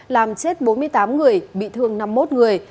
làm chết bốn mươi tám người bị thương năm mươi một người